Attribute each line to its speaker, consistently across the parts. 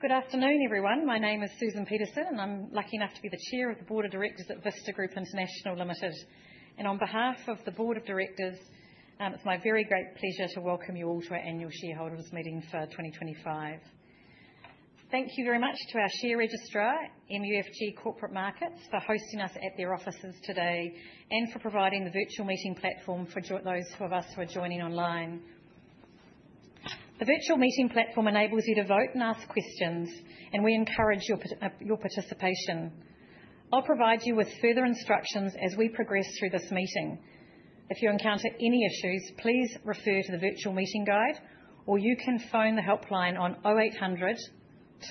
Speaker 1: Good afternoon, everyone. My name is Susan Peterson, and I'm lucky enough to be the Chair of the Board of Directors at Vista Group International Limited. On behalf of the Board of Directors, it's my very great pleasure to welcome you all to our annual shareholders meeting for 2025. Thank you very much to our share registrar, MUFG Corporate Markets, for hosting us at their offices today and for providing the virtual meeting platform for those of us who are joining online. The virtual meeting platform enables you to vote and ask questions, and we encourage your participation. I'll provide you with further instructions as we progress through this meeting. If you encounter any issues, please refer to the virtual meeting guide, or you can phone the helpline on 0800 200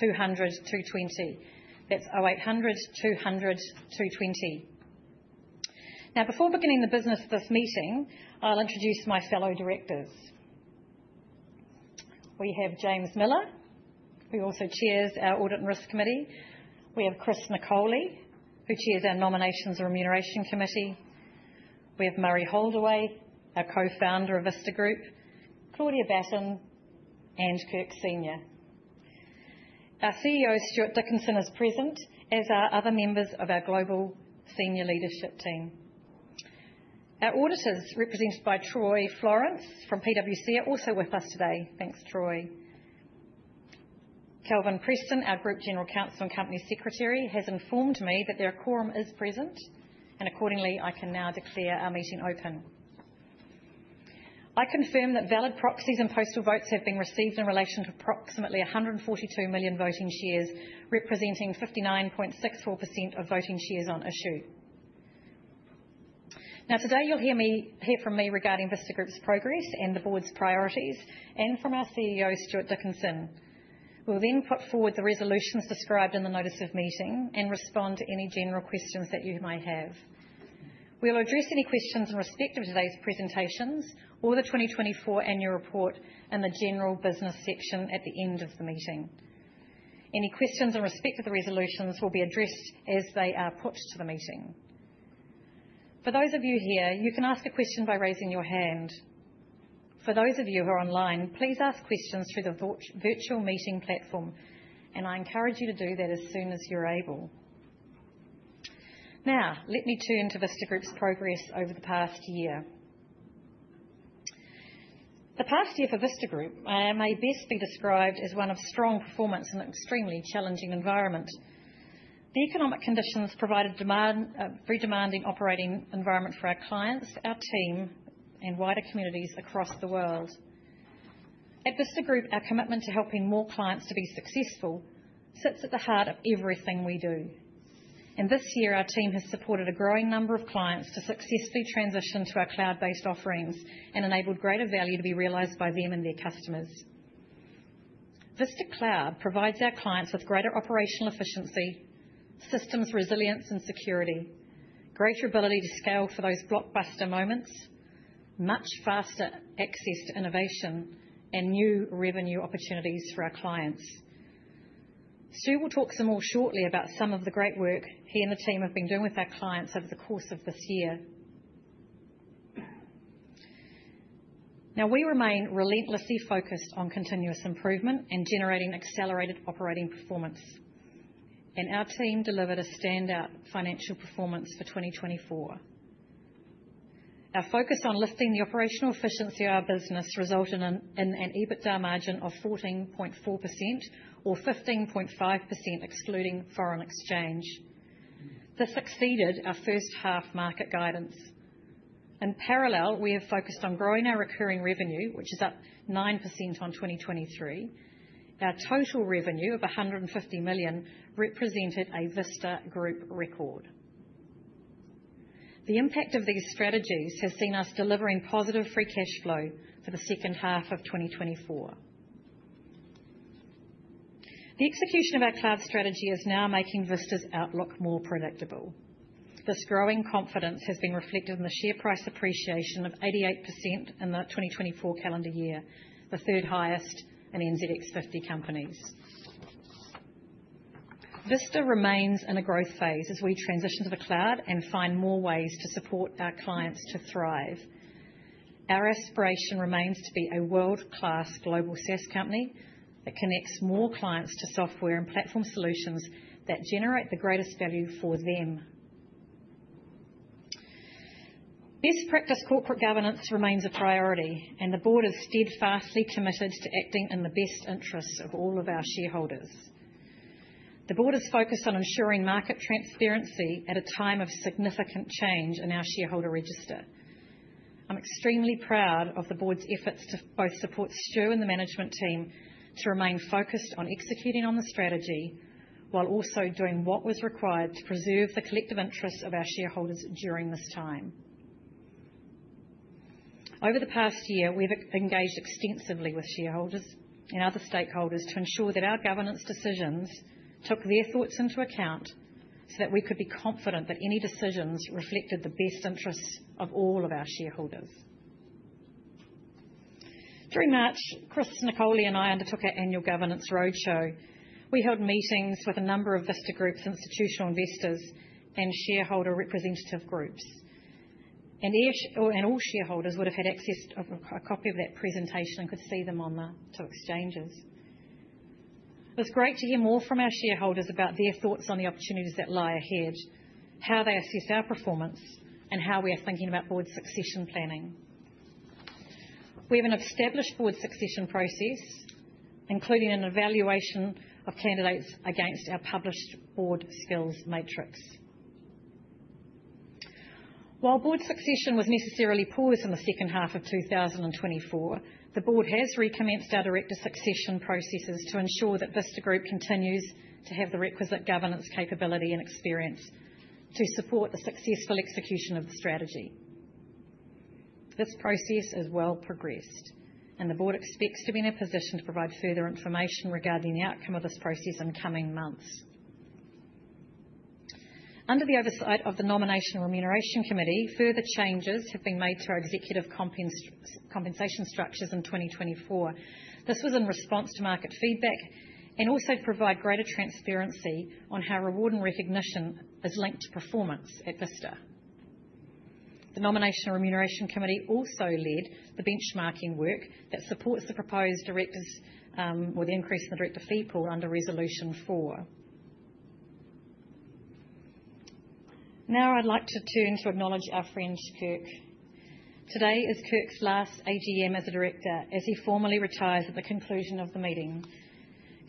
Speaker 1: 220. That's 0800 200 220. Now, before beginning the business of this meeting, I'll introduce my fellow directors. We have James Miller, who also chairs our Audit and Risk Committee. We have Chris Nicole, who chairs our Nominations and Remuneration Committee. We have Murray Holdaway, our co-founder of Vista Group, Claudia Batten, and Kirk Sr. Our CEO, Stuart Dickinson, is present, as are other members of our global senior leadership team. Our auditors, represented by Troy Florence from PwC, are also with us today. Thanks, Troy. Kelvin Preston, our Group General Counsel and Company Secretary, has informed me that their quorum is present, and accordingly, I can now declare our meeting open. I confirm that valid proxies and postal votes have been received in relation to approximately 142 million voting shares, representing 59.64% of voting shares on issue. Now, today you'll hear from me regarding Vista Group's progress and the board's priorities, and from our CEO, Stuart Dickinson. We'll then put forward the resolutions described in the notice of meeting and respond to any general questions that you may have. We'll address any questions in respect of today's presentations or the 2024 annual report in the general business section at the end of the meeting. Any questions in respect of the resolutions will be addressed as they are put to the meeting. For those of you here, you can ask a question by raising your hand. For those of you who are online, please ask questions through the virtual meeting platform, and I encourage you to do that as soon as you're able. Now, let me turn to Vista Group's progress over the past year. The past year for Vista Group may best be described as one of strong performance in an extremely challenging environment. The economic conditions provided a very demanding operating environment for our clients, our team, and wider communities across the world. At Vista Group, our commitment to helping more clients to be successful sits at the heart of everything we do. This year, our team has supported a growing number of clients to successfully transition to our cloud-based offerings and enabled greater value to be realized by them and their customers. Vista Cloud provides our clients with greater operational efficiency, systems resilience and security, greater ability to scale for those blockbuster moments, much faster access to innovation, and new revenue opportunities for our clients. Stuart will talk some more shortly about some of the great work he and the team have been doing with our clients over the course of this year. Now, we remain relentlessly focused on continuous improvement and generating accelerated operating performance, and our team delivered a standout financial performance for 2024. Our focus on lifting the operational efficiency of our business resulted in an EBITDA margin of 14.4% or 15.5% excluding foreign exchange. This exceeded our first-half market guidance. In parallel, we have focused on growing our recurring revenue, which is up 9% on 2023. Our total revenue of 150 million represented a Vista Group record. The impact of these strategies has seen us delivering positive free cash flow for the second half of 2024. The execution of our cloud strategy is now making Vista's outlook more predictable. This growing confidence has been reflected in the share price appreciation of 88% in the 2024 calendar year, the third highest in NZX 50 companies. Vista remains in a growth phase as we transition to the cloud and find more ways to support our clients to thrive. Our aspiration remains to be a world-class global SaaS company that connects more clients to software and platform solutions that generate the greatest value for them. Best practice corporate governance remains a priority, and the board is steadfastly committed to acting in the best interests of all of our shareholders. The board is focused on ensuring market transparency at a time of significant change in our shareholder register. I'm extremely proud of the board's efforts to both support Stuart and the management team to remain focused on executing on the strategy while also doing what was required to preserve the collective interests of our shareholders during this time. Over the past year, we've engaged extensively with shareholders and other stakeholders to ensure that our governance decisions took their thoughts into account so that we could be confident that any decisions reflected the best interests of all of our shareholders. During March, Chris Nicole and I undertook our annual governance roadshow. We held meetings with a number of Vista Group's institutional investors and shareholder representative groups. All shareholders would have had access to a copy of that presentation and could see them on the two exchanges. It was great to hear more from our shareholders about their thoughts on the opportunities that lie ahead, how they assess our performance, and how we are thinking about board succession planning. We have an established board succession process, including an evaluation of candidates against our published board skills matrix. While board succession was necessarily paused in the second half of 2024, the board has recommenced our director succession processes to ensure that Vista Group continues to have the requisite governance capability and experience to support the successful execution of the strategy. This process has well progressed, and the board expects to be in a position to provide further information regarding the outcome of this process in coming months. Under the oversight of the Nomination and Remuneration Committee, further changes have been made to our executive compensation structures in 2024. This was in response to market feedback and also to provide greater transparency on how reward and recognition is linked to performance at Vista. The Nomination and Remuneration Committee also led the benchmarking work that supports the proposed directors with the increase in the director fee pool under Resolution 4. Now, I'd like to turn to acknowledge our friend Kirk. Today is Kirk's last AGM as a director, as he formally retires at the conclusion of the meeting.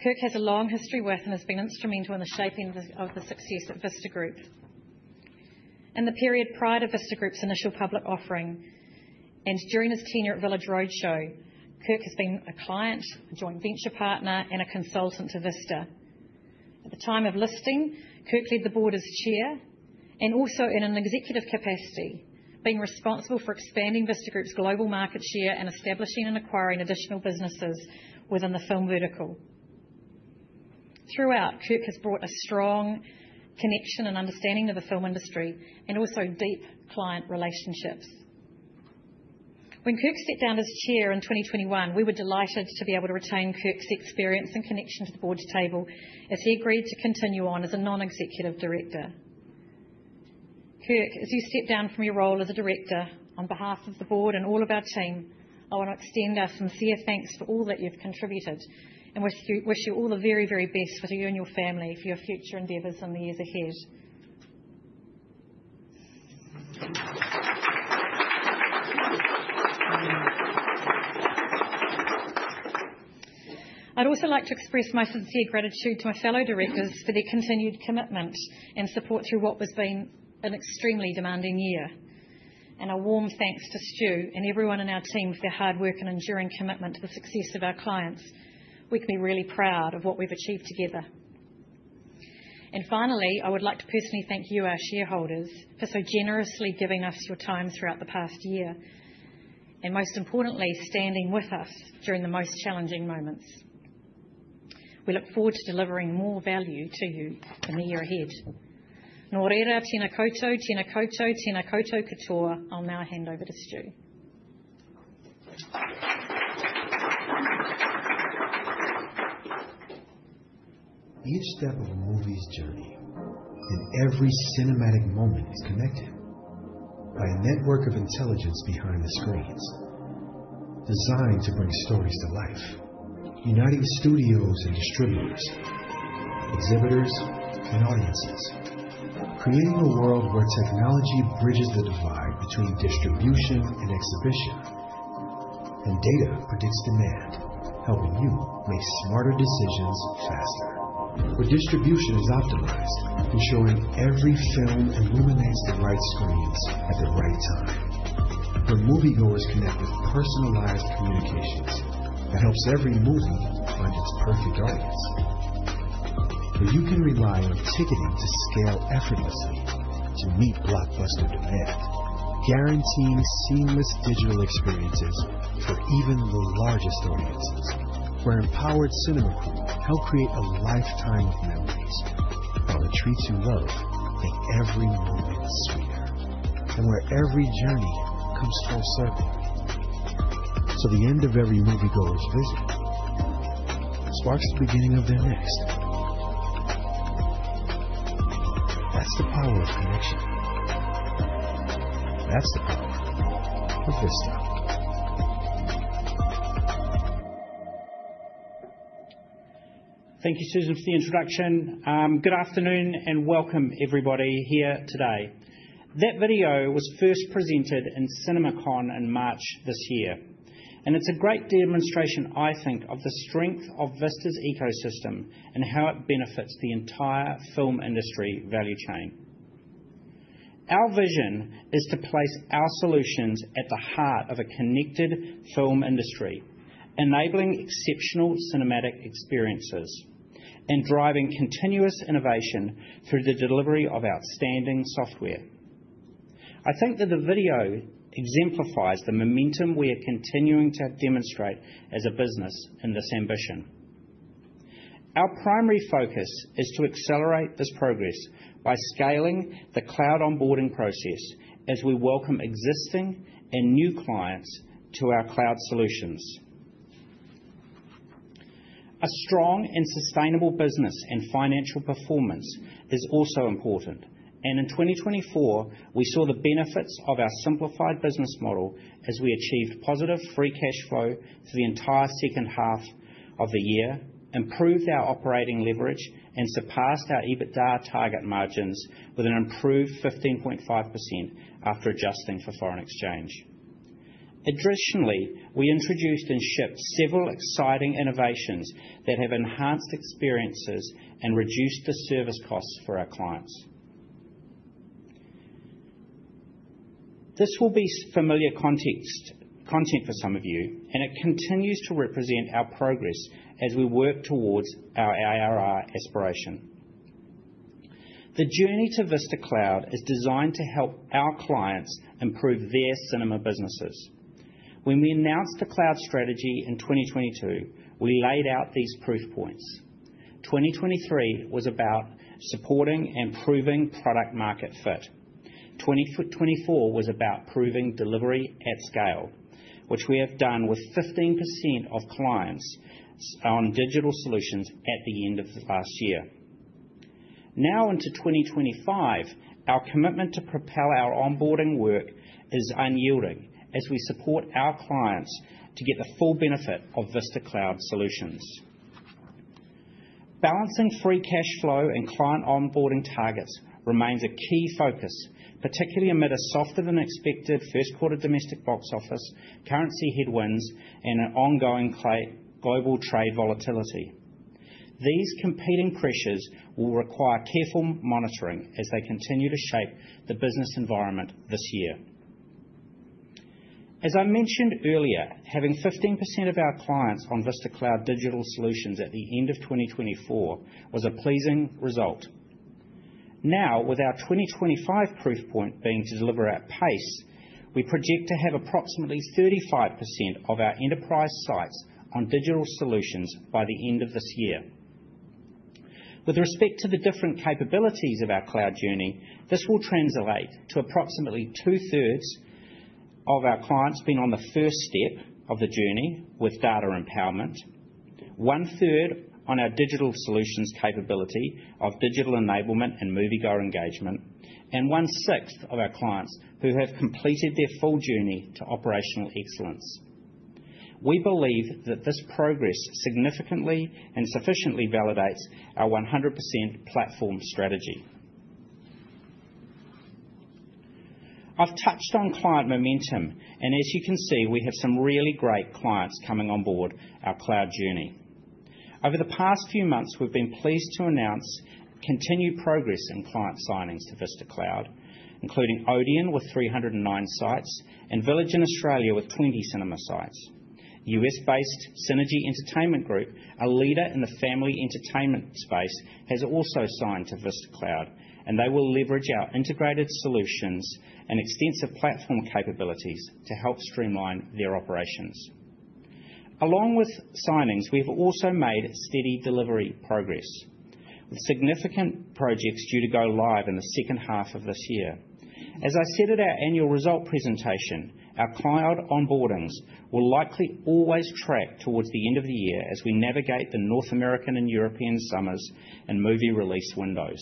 Speaker 1: Kirk has a long history worth and has been instrumental in the shaping of the success of Vista Group. In the period prior to Vista Group's initial public offering and during his tenure at Village Roadshow, Kirk has been a client, a joint venture partner, and a consultant to Vista. At the time of listing, Kirk led the board as chair and also in an executive capacity, being responsible for expanding Vista Group's global market share and establishing and acquiring additional businesses within the film vertical. Throughout, Kirk has brought a strong connection and understanding of the film industry and also deep client relationships. When Kirk stepped down as chair in 2021, we were delighted to be able to retain Kirk's experience and connection to the board table as he agreed to continue on as a non-executive director. Kirk, as you step down from your role as a director on behalf of the board and all of our team, I want to extend our sincere thanks for all that you've contributed and wish you all the very, very best for you and your family, for your future endeavors in the years ahead. I would also like to express my sincere gratitude to my fellow directors for their continued commitment and support through what has been an extremely demanding year. A warm thanks to Stuart and everyone in our team for their hard work and enduring commitment to the success of our clients. We can be really proud of what we've achieved together. Finally, I would like to personally thank you, our shareholders, for so generously giving us your time throughout the past year and, most importantly, standing with us during the most challenging moments. We look forward to delivering more value to you in the year ahead. Nō reira, tēnā koutou, tēnā koutou, tēnā koutou katoa. I'll now hand over to Stuart.
Speaker 2: Each step of a movie's journey and every cinematic moment is connected by a network of intelligence behind the screens designed to bring stories to life, uniting studios and distributors, exhibitors, and audiences, creating a world where technology bridges the divide between distribution and exhibition, and data predicts demand, helping you make smarter decisions faster. Where distribution is optimized, ensuring every film illuminates the right screens at the right time. Where moviegoers connect with personalized communications that helps every movie find its perfect audience. Where you can rely on ticketing to scale effortlessly to meet blockbuster demand, guaranteeing seamless digital experiences for even the largest audiences. Where empowered cinema crew help create a lifetime of memories while the treats you love make every moment sweeter, and where every journey comes full circle. The end of every moviegoer's visit sparks the beginning of their next. That's the power of connection. That's the power of Vista.
Speaker 3: Thank you, Susan, for the introduction. Good afternoon and welcome, everybody, here today. That video was first presented in CinemaCon in March this year, and it's a great demonstration, I think, of the strength of Vista's ecosystem and how it benefits the entire film industry value chain. Our vision is to place our solutions at the heart of a connected film industry, enabling exceptional cinematic experiences and driving continuous innovation through the delivery of outstanding software. I think that the video exemplifies the momentum we are continuing to demonstrate as a business in this ambition. Our primary focus is to accelerate this progress by scaling the cloud onboarding process as we welcome existing and new clients to our cloud solutions. A strong and sustainable business and financial performance is also important, and in 2024, we saw the benefits of our simplified business model as we achieved positive free cash flow through the entire second half of the year, improved our operating leverage, and surpassed our EBITDA target margins with an improved 15.5% after adjusting for foreign exchange. Additionally, we introduced and shipped several exciting innovations that have enhanced experiences and reduced the service costs for our clients. This will be familiar content for some of you, and it continues to represent our progress as we work towards our IRR aspiration. The journey to Vista Cloud is designed to help our clients improve their cinema businesses. When we announced the cloud strategy in 2022, we laid out these proof points. 2023 was about supporting and proving product-market fit. 2024 was about proving delivery at scale, which we have done with 15% of clients on digital solutions at the end of the past year. Now into 2025, our commitment to propel our onboarding work is unyielding as we support our clients to get the full benefit of Vista Cloud solutions. Balancing free cash flow and client onboarding targets remains a key focus, particularly amid a softer-than-expected first-quarter domestic box office, currency headwinds, and ongoing global trade volatility. These competing pressures will require careful monitoring as they continue to shape the business environment this year. As I mentioned earlier, having 15% of our clients on Vista Cloud digital solutions at the end of 2024 was a pleasing result. Now, with our 2025 proof point being to deliver at pace, we project to have approximately 35% of our enterprise sites on digital solutions by the end of this year. With respect to the different capabilities of our cloud journey, this will translate to approximately two-thirds of our clients being on the first step of the journey with data empowerment, one-third on our digital solutions capability of digital enablement and moviegoer engagement, and one-sixth of our clients who have completed their full journey to operational excellence. We believe that this progress significantly and sufficiently validates our 100% platform strategy. I've touched on client momentum, and as you can see, we have some really great clients coming on board our cloud journey. Over the past few months, we've been pleased to announce continued progress in client signings to Vista Cloud, including Odeon with 309 sites and Village in Australia with 20 cinema sites. US-based Synergy Entertainment Group, a leader in the family entertainment space, has also signed to Vista Cloud, and they will leverage our integrated solutions and extensive platform capabilities to help streamline their operations. Along with signings, we have also made steady delivery progress with significant projects due to go live in the second half of this year. As I said at our annual result presentation, our cloud onboardings will likely always track towards the end of the year as we navigate the North American and European summers and movie release windows.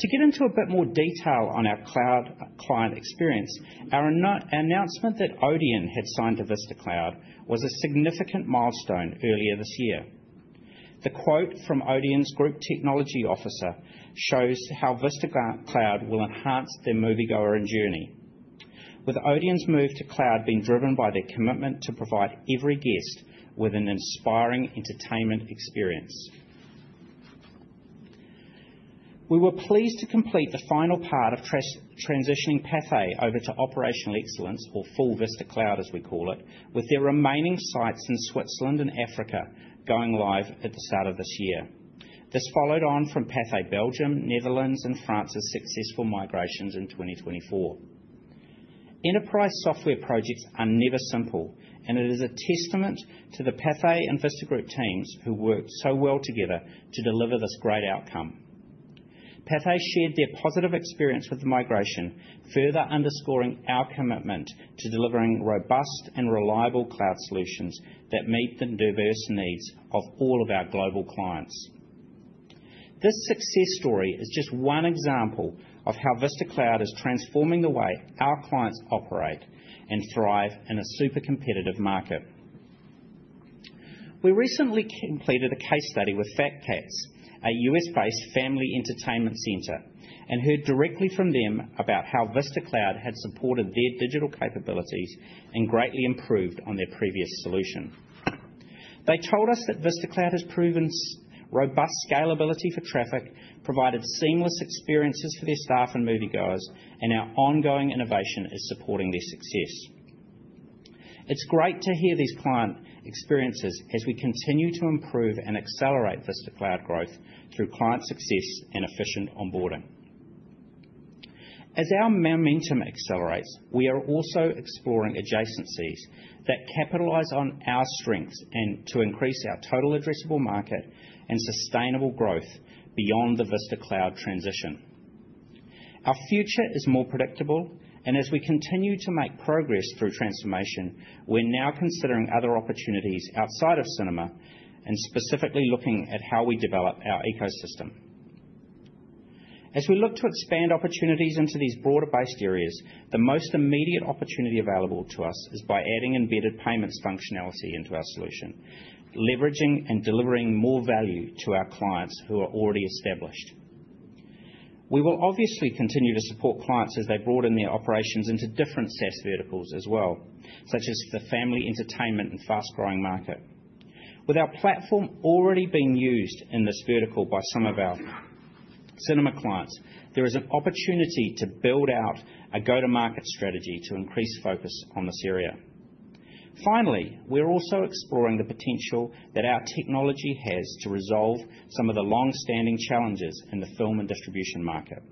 Speaker 3: To get into a bit more detail on our cloud client experience, our announcement that Odeon had signed to Vista Cloud was a significant milestone earlier this year. The quote from Odeon's Group Technology Officer shows how Vista Cloud will enhance their moviegoer journey, with Odeon's move to cloud being driven by their commitment to provide every guest with an inspiring entertainment experience. We were pleased to complete the final part of transitioning Pathé over to operational excellence, or full Vista Cloud, as we call it, with their remaining sites in Switzerland and Africa going live at the start of this year. This followed on from Pathé Belgium, Netherlands, and France's successful migrations in 2024. Enterprise software projects are never simple, and it is a testament to the Pathé and Vista Group teams who worked so well together to deliver this great outcome. Pathé shared their positive experience with the migration, further underscoring our commitment to delivering robust and reliable cloud solutions that meet the diverse needs of all of our global clients. This success story is just one example of how Vista Cloud is transforming the way our clients operate and thrive in a super competitive market. We recently completed a case study with Fat Cats, a US-based family entertainment center, and heard directly from them about how Vista Cloud had supported their digital capabilities and greatly improved on their previous solution. They told us that Vista Cloud has proven robust scalability for traffic, provided seamless experiences for their staff and moviegoers, and our ongoing innovation is supporting their success. It's great to hear these client experiences as we continue to improve and accelerate Vista Cloud growth through client success and efficient onboarding. As our momentum accelerates, we are also exploring adjacencies that capitalize on our strengths to increase our total addressable market and sustainable growth beyond the Vista Cloud transition. Our future is more predictable, and as we continue to make progress through transformation, we're now considering other opportunities outside of cinema and specifically looking at how we develop our ecosystem. As we look to expand opportunities into these broader-based areas, the most immediate opportunity available to us is by adding embedded payments functionality into our solution, leveraging and delivering more value to our clients who are already established. We will obviously continue to support clients as they broaden their operations into different SaaS verticals as well, such as the family entertainment and fast-growing market. With our platform already being used in this vertical by some of our cinema clients, there is an opportunity to build out a go-to-market strategy to increase focus on this area. Finally, we're also exploring the potential that our technology has to resolve some of the long-standing challenges in the film and distribution market.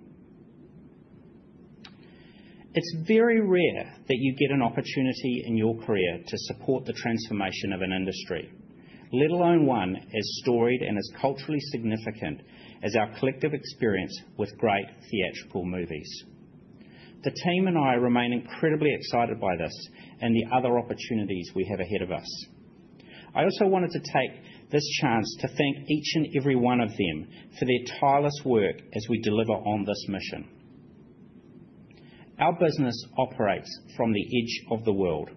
Speaker 3: It's very rare that you get an opportunity in your career to support the transformation of an industry, let alone one as storied and as culturally significant as our collective experience with great theatrical movies. The team and I remain incredibly excited by this and the other opportunities we have ahead of us. I also wanted to take this chance to thank each and every one of them for their tireless work as we deliver on this mission. Our business operates from the edge of the world,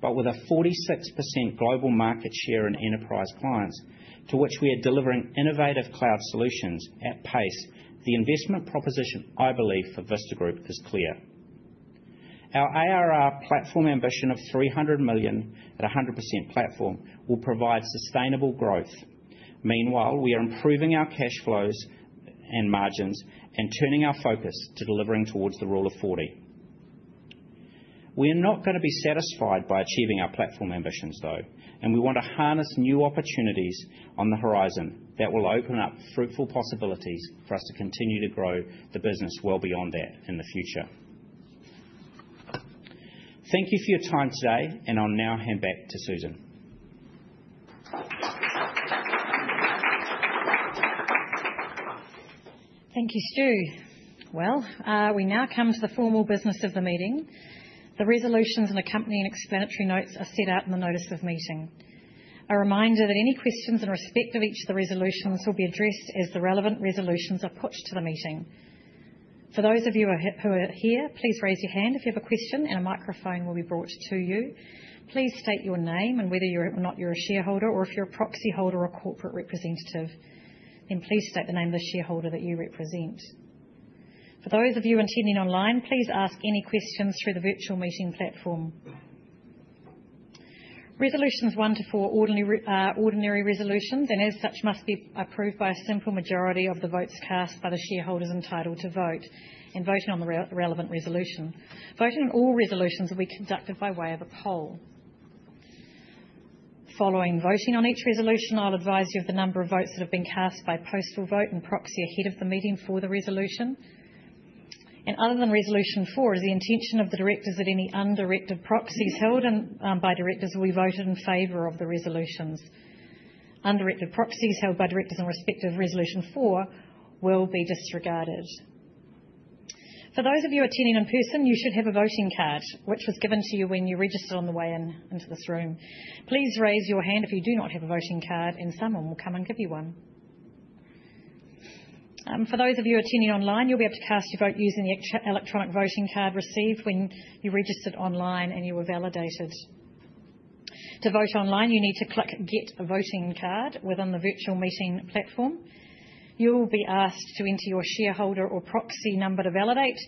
Speaker 3: but with a 46% global market share in enterprise clients to which we are delivering innovative cloud solutions at pace, the investment proposition I believe for Vista Group is clear. Our IRR platform ambition of $300 million at 100% platform will provide sustainable growth. Meanwhile, we are improving our cash flows and margins and turning our focus to delivering towards the rule of 40. We are not going to be satisfied by achieving our platform ambitions, though, and we want to harness new opportunities on the horizon that will open up fruitful possibilities for us to continue to grow the business well beyond that in the future. Thank you for your time today, and I'll now hand back to Susan.
Speaker 1: Thank you, Stu. We now come to the formal business of the meeting. The resolutions and accompanying explanatory notes are set out in the notice of meeting. A reminder that any questions in respect of each of the resolutions will be addressed as the relevant resolutions are put to the meeting. For those of you who are here, please raise your hand if you have a question, and a microphone will be brought to you. Please state your name and whether or not you're a shareholder or if you're a proxy holder or corporate representative. Please state the name of the shareholder that you represent. For those of you attending online, please ask any questions through the virtual meeting platform. Resolutions one to four are ordinary resolutions, and as such, must be approved by a simple majority of the votes cast by the shareholders entitled to vote and voting on the relevant resolution. Voting on all resolutions will be conducted by way of a poll. Following voting on each resolution, I'll advise you of the number of votes that have been cast by postal vote and proxy ahead of the meeting for the resolution. Other than resolution four, it is the intention of the directors that any undirected proxies held by directors will be voted in favor of the resolutions. Undirected proxies held by directors in respect of resolution four will be disregarded. For those of you attending in person, you should have a voting card, which was given to you when you registered on the way into this room. Please raise your hand if you do not have a voting card, and someone will come and give you one. For those of you attending online, you'll be able to cast your vote using the electronic voting card received when you registered online and you were validated. To vote online, you need to click "Get a Voting Card" within the virtual meeting platform. You will be asked to enter your shareholder or proxy number to validate.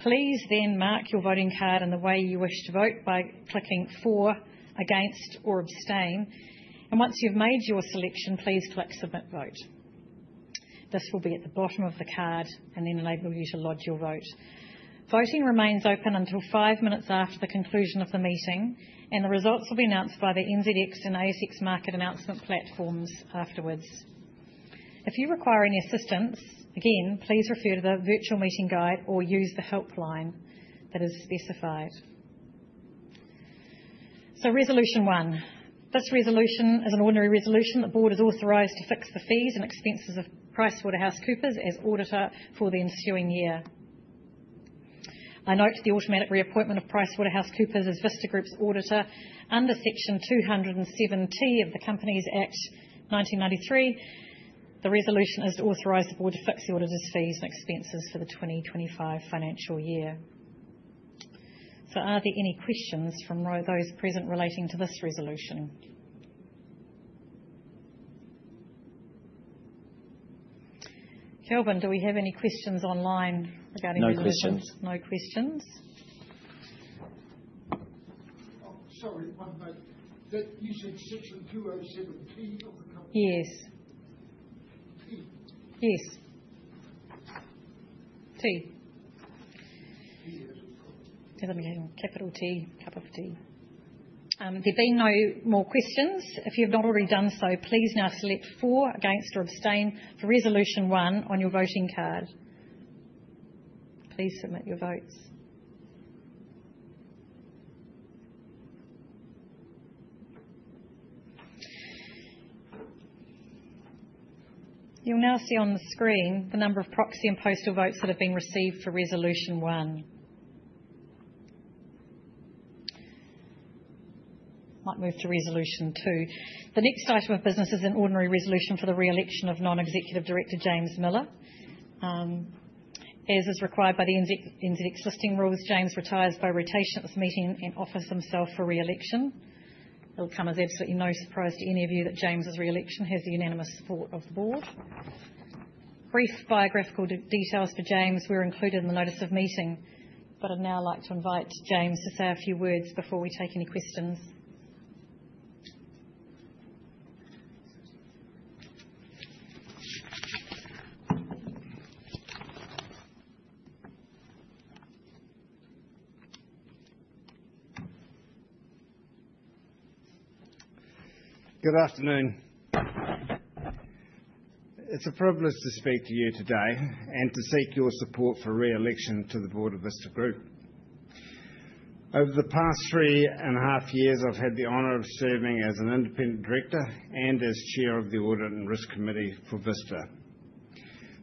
Speaker 1: Please then mark your voting card in the way you wish to vote by clicking "For", "Against", or "Abstain". Once you've made your selection, please click "Submit Vote". This will be at the bottom of the card and then enable you to lodge your vote. Voting remains open until five minutes after the conclusion of the meeting, and the results will be announced by the NZX and ASX market announcement platforms afterwards. If you require any assistance, again, please refer to the virtual meeting guide or use the helpline that is specified. Resolution one. This resolution is an ordinary resolution. The board is authorized to fix the fees and expenses of PricewaterhouseCoopers as auditor for the ensuing year. I note the automatic reappointment of PricewaterhouseCoopers as Vista Group's auditor under section 207T of the Companies Act 1993. The resolution is to authorize the board to fix the auditor's fees and expenses for the 2025 financial year. Are there any questions from those present relating to this resolution? Kelvin, do we have any questions online regarding the resolution?
Speaker 4: No questions.
Speaker 1: No questions.
Speaker 5: Sorry, one moment. You said section 207(t) of the company?
Speaker 1: Yes. Yes. T.
Speaker 5: T as in Tom.
Speaker 1: Yeah, let me get it. Capital T, capital T. There being no more questions, if you have not already done so, please now select "For", "Against", or "Abstain" for resolution one on your voting card. Please submit your votes. You'll now see on the screen the number of proxy and postal votes that have been received for resolution one. Might move to resolution two. The next item of business is an ordinary resolution for the re-election of non-executive director James Miller. As is required by the NZX listing rules, James retires by rotation at this meeting and offers himself for re-election. It'll come as absolutely no surprise to any of you that James's re-election has the unanimous support of the board. Brief biographical details for James were included in the notice of meeting, but I'd now like to invite James to say a few words before we take any questions.
Speaker 6: Good afternoon. It's a privilege to speak to you today and to seek your support for re-election to the board of Vista Group. Over the past three and a half years, I've had the honor of serving as an independent director and as Chair of the Audit and Risk Committee for Vista.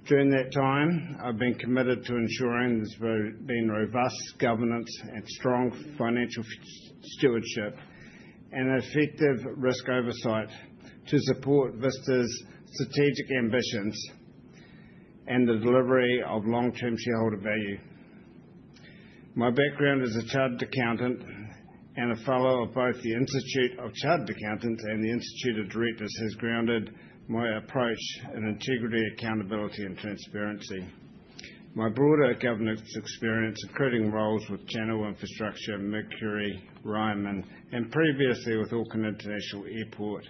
Speaker 6: During that time, I've been committed to ensuring there's been robust governance and strong financial stewardship and effective risk oversight to support Vista's strategic ambitions and the delivery of long-term shareholder value. My background as a chartered accountant and a fellow of both the Institute of Chartered Accountants and the Institute of Directors has grounded my approach in integrity, accountability, and transparency. My broader governance experience, including roles with Channel Infrastructure, Mercury, Ryman, and previously with Auckland International Airport,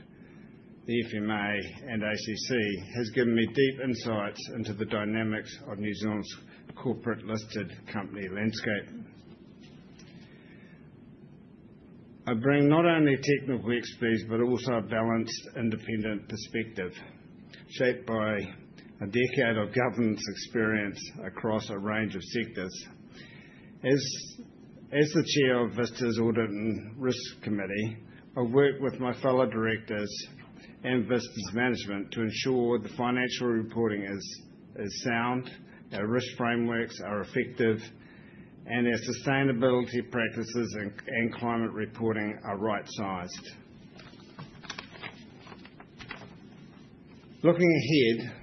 Speaker 6: the FMA, and ACC, has given me deep insights into the dynamics of New Zealand's corporate-listed company landscape. I bring not only technical expertise, but also a balanced independent perspective shaped by a decade of governance experience across a range of sectors. As the chair of Vista's Audit and Risk Committee, I've worked with my fellow directors and Vista's management to ensure the financial reporting is sound, our risk frameworks are effective, and our sustainability practices and climate reporting are right-sized. Looking ahead,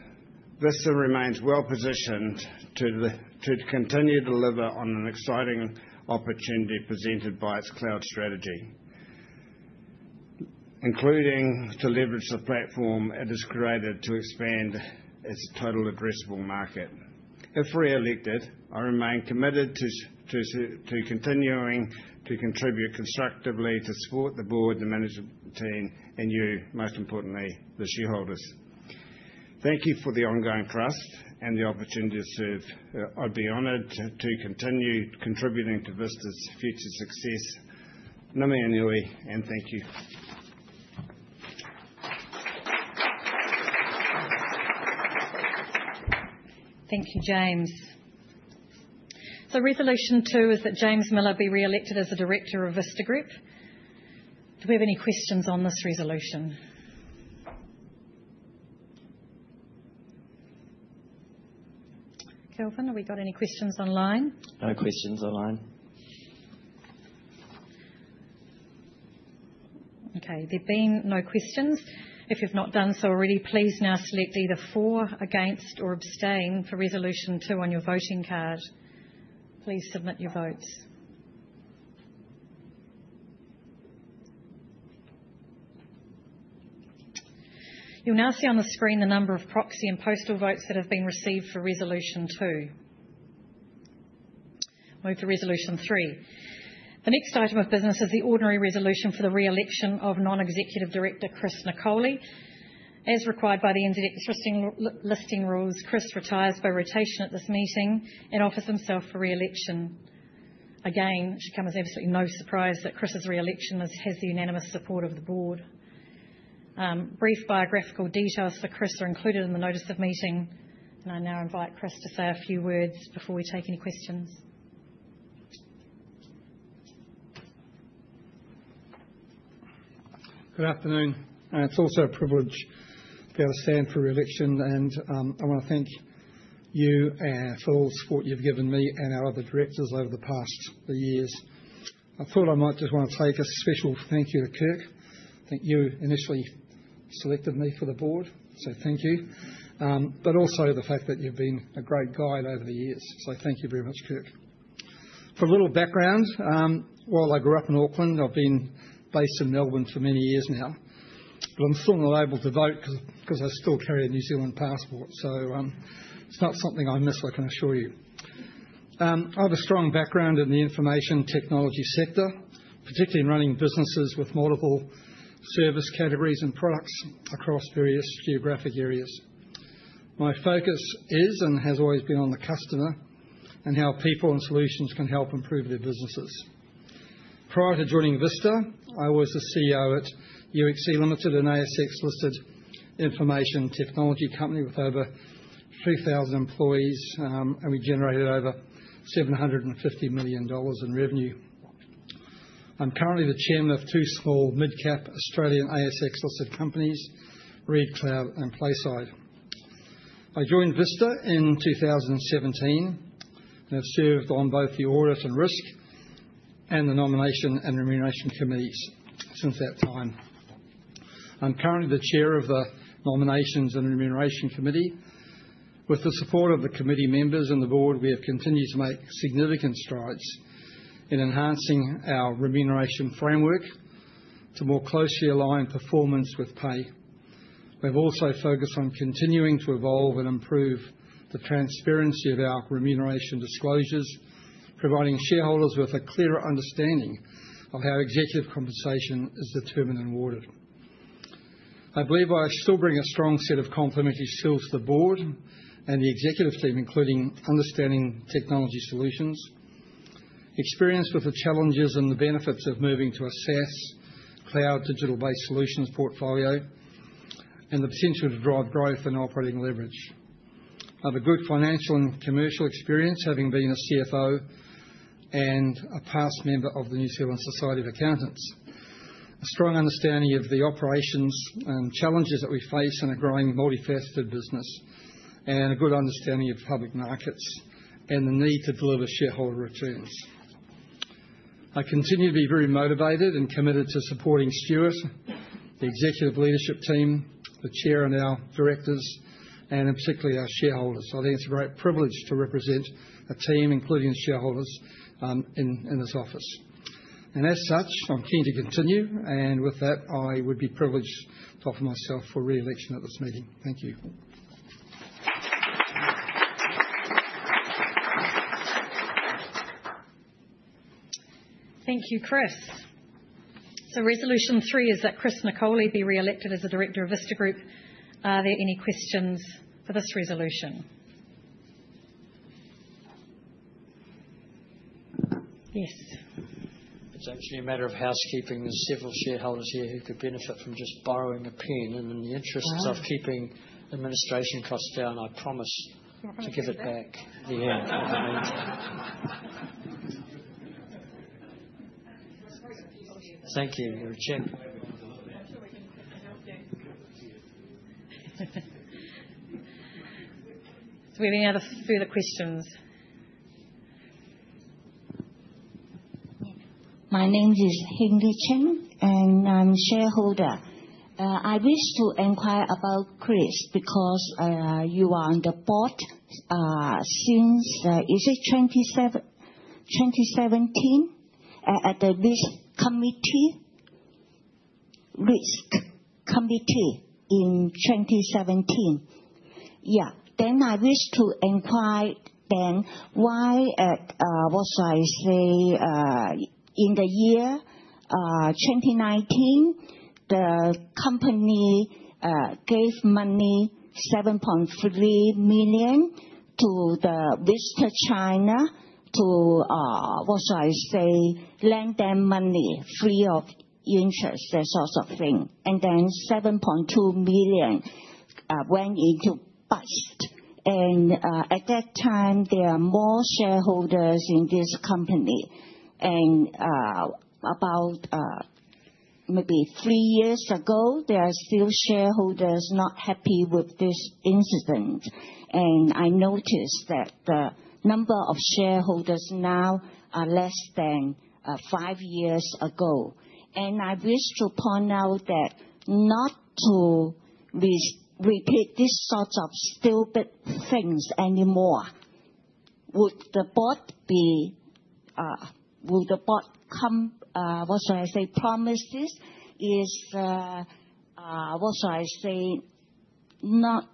Speaker 6: Vista remains well positioned to continue to deliver on an exciting opportunity presented by its cloud strategy, including to leverage the platform it has created to expand its total addressable market. If re-elected, I remain committed to continuing to contribute constructively to support the board, the management team, and you, most importantly, the shareholders. Thank you for the ongoing trust and the opportunity to serve. I'd be honored to continue contributing to Vista's future success. Ngā mihi nui, and thank you.
Speaker 1: Thank you, James. Resolution two is that James Miller be re-elected as a director of Vista Group. Do we have any questions on this resolution? Kelvin, have we got any questions online?
Speaker 4: No questions online.
Speaker 1: Okay, there being no questions, if you've not done so already, please now select either "For," "Against," or "Abstain" for resolution two on your voting card. Please submit your votes. You'll now see on the screen the number of proxy and postal votes that have been received for resolution two. Move to resolution three. The next item of business is the ordinary resolution for the re-election of non-executive director Chris Nicole. As required by the NZX listing rules, Chris retires by rotation at this meeting and offers himself for re-election. Again, it should come as absolutely no surprise that Chris's re-election has the unanimous support of the board. Brief biographical details for Chris are included in the notice of meeting, and I now invite Chris to say a few words before we take any questions.
Speaker 7: Good afternoon. It's also a privilege to be able to stand for re-election, and I want to thank you for all the support you've given me and our other directors over the past years. I thought I might just want to take a special thank you to Kirk. I think you initially selected me for the board, so thank you. Also, the fact that you've been a great guide over the years, so thank you very much, Kirk. For a little background, while I grew up in Auckland, I've been based in Melbourne for many years now, but I'm still not able to vote because I still carry a New Zealand passport, so it's not something I miss, I can assure you. I have a strong background in the information technology sector, particularly in running businesses with multiple service categories and products across various geographic areas. My focus is and has always been on the customer and how people and solutions can help improve their businesses. Prior to joining Vista, I was the CEO at UXC Limited, an ASX-listed information technology company with over 3,000 employees, and we generated over $750 million in revenue. I'm currently the chairman of two small mid-cap Australian ASX-listed companies, RedCloud and PlaySide. I joined Vista in 2017 and have served on both the audit and risk and the nomination and remuneration committees since that time. I'm currently the chair of the nominations and remuneration committee. With the support of the committee members and the board, we have continued to make significant strides in enhancing our remuneration framework to more closely align performance with pay. We've also focused on continuing to evolve and improve the transparency of our remuneration disclosures, providing shareholders with a clearer understanding of how executive compensation is determined and awarded. I believe I still bring a strong set of complementary skills to the board and the executive team, including understanding technology solutions, experience with the challenges and the benefits of moving to a SaaS cloud digital-based solutions portfolio, and the potential to drive growth and operating leverage. I have a good financial and commercial experience, having been a CFO and a past member of the New Zealand Society of Accountants. A strong understanding of the operations and challenges that we face in a growing multifaceted business, and a good understanding of public markets and the need to deliver shareholder returns. I continue to be very motivated and committed to supporting Stuart, the executive leadership team, the Chair, and our directors, and particularly our shareholders. I think it's a great privilege to represent a team, including shareholders, in this office. As such, I'm keen to continue, and with that, I would be privileged to offer myself for re-election at this meeting. Thank you.
Speaker 1: Thank you, Chris. Resolution three is that Chris Nicole be re-elected as a director of Vista Group. Are there any questions for this resolution?
Speaker 5: Yes. It's actually a matter of housekeeping. There are several shareholders here who could benefit from just borrowing a pen, and in the interest of keeping administration costs down, I promise to give it back at the end. Thank you. You're a champ.
Speaker 1: Do we have any other further questions?
Speaker 8: My name is Henry Chen, and I'm a shareholder. I wish to inquire about Chris because you are on the board since, is it 2017, at the risk committee in 2017? Yeah. I wish to inquire then why was, I say, in the year 2019 the company gave money, $7.3 million, to Vista China to, what should I say, lend them money free of interest, that sort of thing. $7.2 million went into bust. At that time, there were more shareholders in this company. Maybe three years ago, there were still shareholders not happy with this incident. I noticed that the number of shareholders now are less than five years ago. I wish to point out that not to repeat this sort of stupid things anymore. Would the board be, would the board come, what should I say, promises is, what should I say, not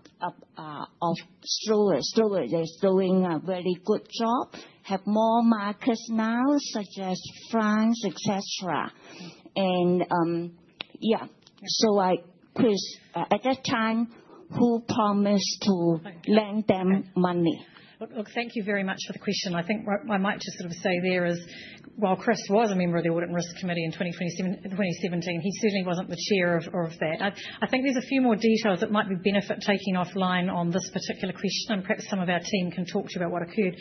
Speaker 8: of Stuart. Stuart is doing a very good job. Have more markets now, such as France, etc. Yeah. Chris, at that time, who promised to lend them money?
Speaker 1: Look, thank you very much for the question. I think what I might just sort of say there is while Chris was a member of the Audit and Risk Committee in 2017, he certainly was not the chair of that. I think there are a few more details that might be of benefit taking offline on this particular question, and perhaps some of our team can talk to you about what occurred.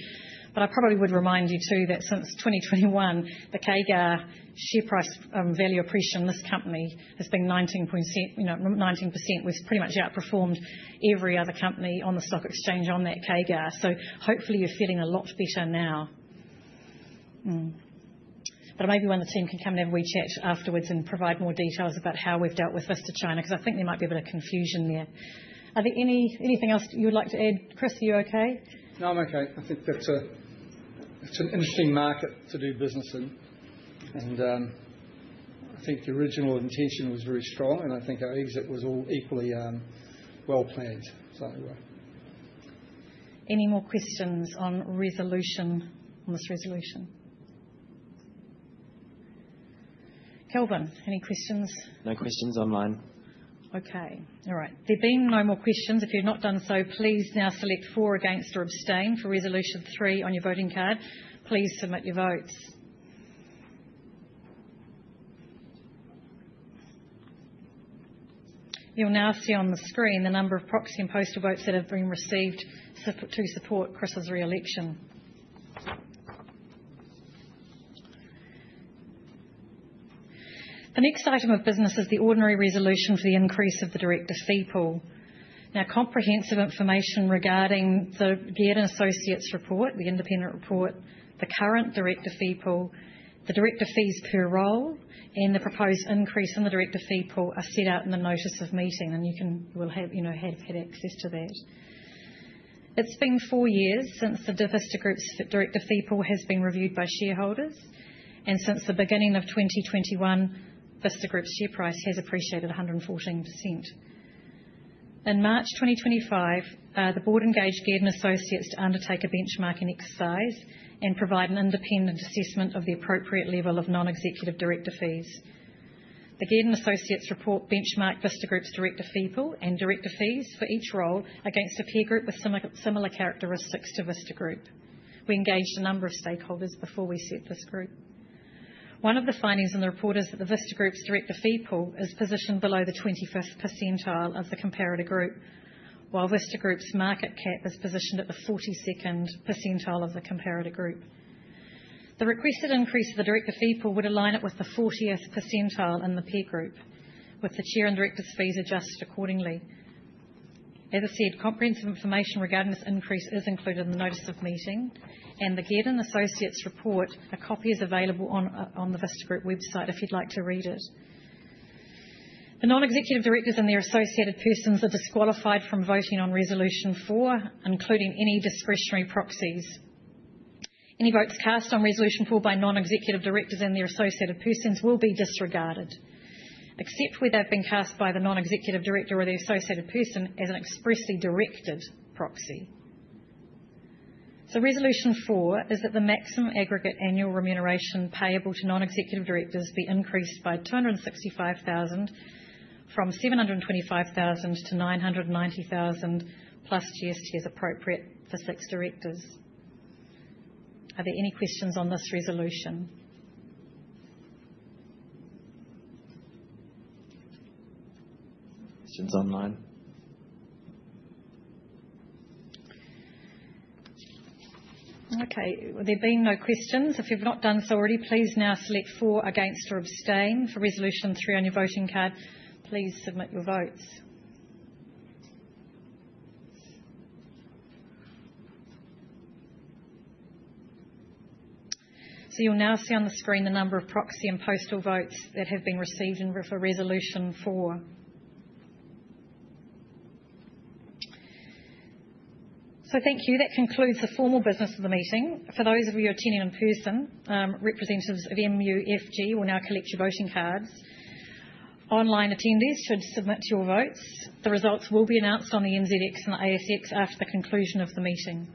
Speaker 1: I probably would remind you too that since 2021, the CAGR share price value appreciation in this company has been 19%. We have pretty much outperformed every other company on the stock exchange on that CAGR. Hopefully you are feeling a lot better now. Maybe the team can come and have a wee chat afterwards and provide more details about how we have dealt with Vista China because I think there might be a bit of confusion there. Is there anything else you would like to add? Chris, are you okay?
Speaker 7: No, I'm okay. I think that's an interesting market to do business in. I think the original intention was very strong, and I think our exit was all equally well planned. So anyway.
Speaker 1: Any more questions on this resolution? Kelvin, any questions?
Speaker 4: No questions online.
Speaker 1: Okay. All right. There being no more questions, if you've not done so, please now select "For," "Against," or "Abstain" for resolution three on your voting card. Please submit your votes. You'll now see on the screen the number of proxy and postal votes that have been received to support Chris's re-election. The next item of business is the ordinary resolution for the increase of the director fee pool. Now, comprehensive information regarding the Guerdon Associates report, the independent report, the current director fee pool, the director fees per role, and the proposed increase in the director fee pool are set out in the notice of meeting, and you will have had access to that. It's been four years since the Vista Group's director fee pool has been reviewed by shareholders, and since the beginning of 2021, Vista Group's share price has appreciated 114%. In March 2025, the board engaged Guerdon Associates to undertake a benchmarking exercise and provide an independent assessment of the appropriate level of non-executive director fees. The Guerdon Associates report benchmarked Vista Group's director fee pool and director fees for each role against a peer group with similar characteristics to Vista Group. We engaged a number of stakeholders before we set this group. One of the findings in the report is that the Vista Group's director fee pool is positioned below the 25% percentile of the comparator group, while Vista Group's market cap is positioned at the 42% percentile of the comparator group. The requested increase of the director fee pool would align it with the 40% percentile in the peer group, with the chair and director's fees adjusted accordingly. As I said, comprehensive information regarding this increase is included in the notice of meeting, and the Guerdon Associates report, a copy is available on the Vista Group website if you'd like to read it. The non-executive directors and their associated persons are disqualified from voting on resolution four, including any discretionary proxies. Any votes cast on resolution four by non-executive directors and their associated persons will be disregarded, except where they've been cast by the non-executive director or their associated person as an expressly directed proxy. Resolution four is that the maximum aggregate annual remuneration payable to non-executive directors be increased by 265,000 from 725,000 to 990,000 plus GST as appropriate for six directors. Are there any questions on this resolution?
Speaker 4: Questions online?
Speaker 1: Okay. There being no questions, if you've not done so already, please now select "For" against or "Abstain" for resolution three on your voting card. Please submit your votes. You will now see on the screen the number of proxy and postal votes that have been received for resolution four. Thank you. That concludes the formal business of the meeting. For those of you attending in person, representatives of MUFG will now collect your voting cards. Online attendees should submit your votes. The results will be announced on the NZX and the ASX after the conclusion of the meeting.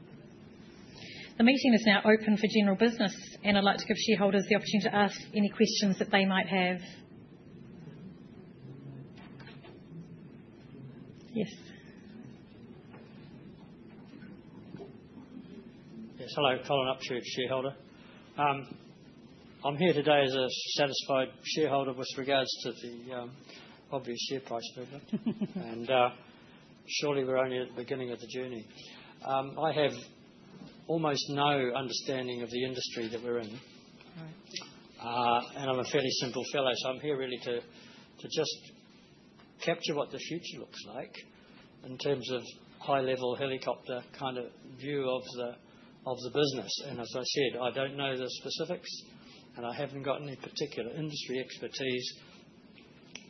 Speaker 1: The meeting is now open for general business, and I'd like to give shareholders the opportunity to ask any questions that they might have. Yes.
Speaker 9: Hello. Colin Upshurt, shareholder. I'm here today as a satisfied shareholder with regards to the obvious share price movement, and surely we're only at the beginning of the journey. I have almost no understanding of the industry that we're in, and I'm a fairly simple fellow, so I'm here really to just capture what the future looks like in terms of high-level helicopter kind of view of the business. As I said, I don't know the specifics, and I haven't got any particular industry expertise,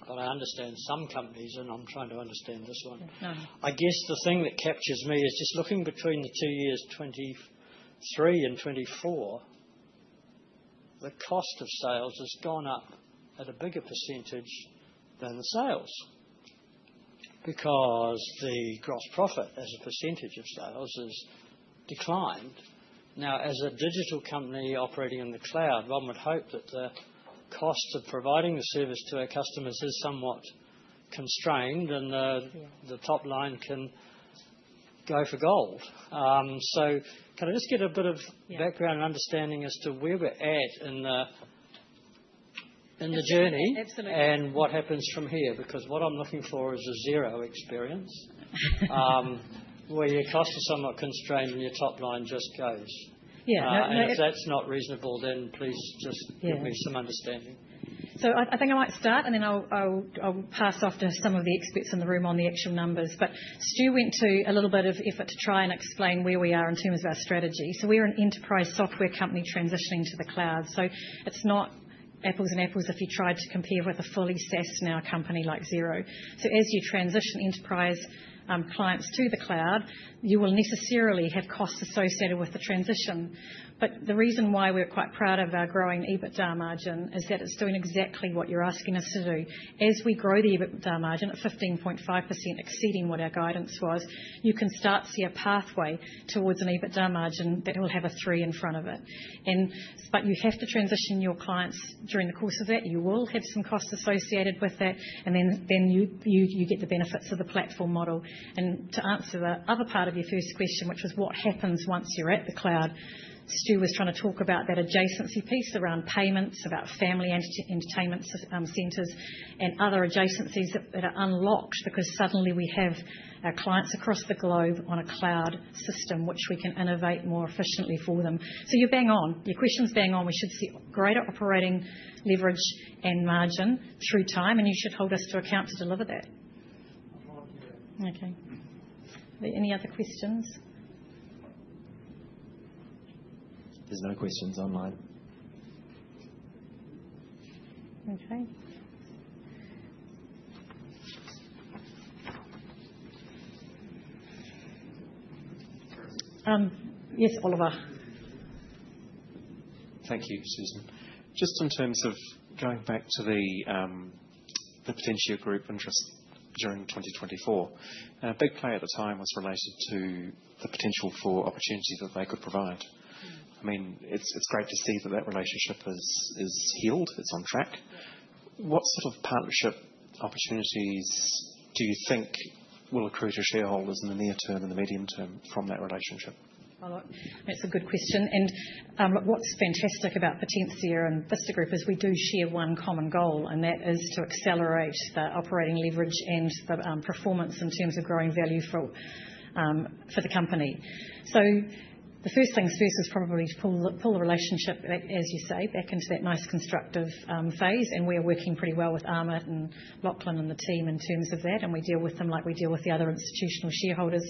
Speaker 9: but I understand some companies, and I'm trying to understand this one. I guess the thing that captures me is just looking between the two years, 2023 and 2024, the cost of sales has gone up at a bigger percentage than the sales because the gross profit as a percentage of sales has declined. Now, as a digital company operating in the cloud, one would hope that the cost of providing the service to our customers is somewhat constrained, and the top line can go for gold. Can I just get a bit of background and understanding as to where we're at in the journey and what happens from here? Because what I'm looking for is a zero experience where your cost is somewhat constrained and your top line just goes.
Speaker 1: Yeah. No.
Speaker 9: If that's not reasonable, then please just give me some understanding.
Speaker 1: I think I might start, and then I'll pass off to some of the experts in the room on the actual numbers. Stu went to a little bit of effort to try and explain where we are in terms of our strategy. We're an enterprise software company transitioning to the cloud. It's not apples and apples if you tried to compare with a fully SaaS now company like Xero. As you transition enterprise clients to the cloud, you will necessarily have costs associated with the transition. The reason why we're quite proud of our growing EBITDA margin is that it's doing exactly what you're asking us to do. As we grow the EBITDA margin at 15.5%, exceeding what our guidance was, you can start to see a pathway towards an EBITDA margin that will have a three in front of it. You have to transition your clients during the course of that. You will have some costs associated with that, and then you get the benefits of the platform model. To answer the other part of your first question, which was what happens once you're at the cloud, Stu was trying to talk about that adjacency piece around payments, about family entertainment centers, and other adjacencies that are unlocked because suddenly we have our clients across the globe on a cloud system, which we can innovate more efficiently for them. Your question's bang on. We should see greater operating leverage and margin through time, and you should hold us to account to deliver that. Okay. Are there any other questions?
Speaker 4: There's no questions online.
Speaker 1: Okay. Yes, Oliver.
Speaker 5: Thank you, Susan. Just in terms of going back to the Potentia Group interest during 2024, a big play at the time was related to the potential for opportunity that they could provide. I mean, it's great to see that that relationship is healed. It's on track. What sort of partnership opportunities do you think will accrue to shareholders in the near term and the medium term from that relationship?
Speaker 1: That's a good question. What's fantastic about Potentia and Vista Group is we do share one common goal, and that is to accelerate the operating leverage and the performance in terms of growing value for the company. The first things first is probably to pull the relationship, as you say, back into that nice constructive phase. We're working pretty well with Aman and Lachlan and the team in terms of that, and we deal with them like we deal with the other institutional shareholders.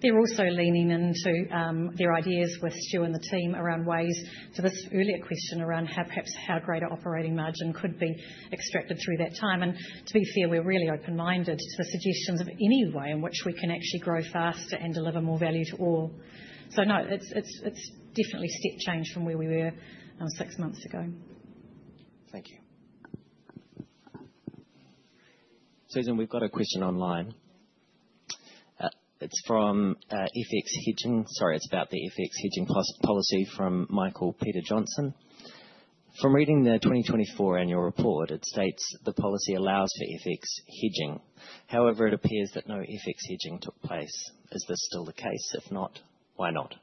Speaker 1: They're also leaning into their ideas with Stu and the team around ways to this earlier question around perhaps how greater operating margin could be extracted through that time. To be fair, we're really open-minded to the suggestions of any way in which we can actually grow faster and deliver more value to all. No, it's definitely a step change from where we were six months ago.
Speaker 5: Thank you.
Speaker 4: Susan, we've got a question online. It's from FX Hedging. Sorry, it's about the FX Hedging policy from Michael Peter Johnson. From reading the 2024 annual report, it states the policy allows for FX hedging. However, it appears that no FX hedging took place. Is this still the case? If not, why not?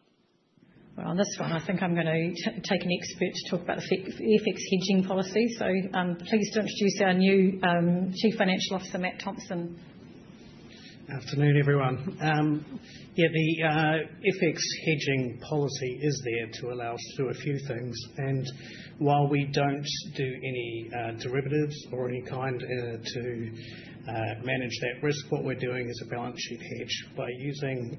Speaker 1: On this one, I think I'm going to take an expert to talk about the FX hedging policy. So please to introduce our new Chief Financial Officer, Matt Thompson.
Speaker 10: Good afternoon, everyone. Yeah, the FX hedging policy is there to allow us to do a few things. While we do not do any derivatives or any kind to manage that risk, what we are doing is a balance sheet hedge by using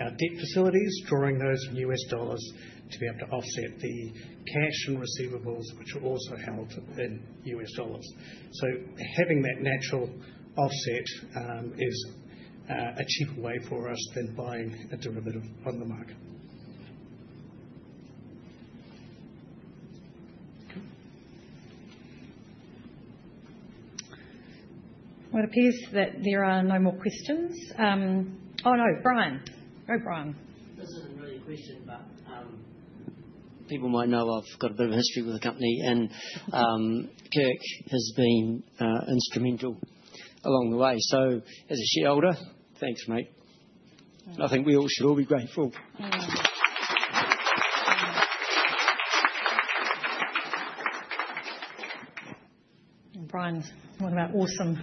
Speaker 10: our debt facilities, drawing those in U.S. dollars to be able to offset the cash and receivables, which are also held in U.S. dollars. Having that natural offset is a cheaper way for us than buying a derivative on the market.
Speaker 1: Okay. It appears that there are no more questions. Oh no, Brian. Go Brian.
Speaker 5: That's a very good question, but people might know I've got a bit of history with the company, and Kirk has been instrumental along the way. As a shareholder, thanks, mate. I think we all should all be grateful.
Speaker 1: Brian, what about awesome,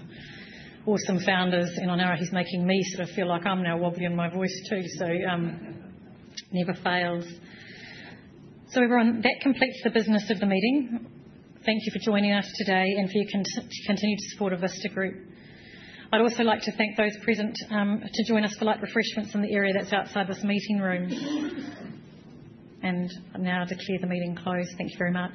Speaker 1: awesome founders? On our own, he's making me sort of feel like I'm now wobbling in my voice too, so never fails. Everyone, that completes the business of the meeting. Thank you for joining us today and for your continued support of Vista Group. I'd also like to thank those present to join us for light refreshments in the area that's outside this meeting room. I now declare the meeting closed. Thank you very much.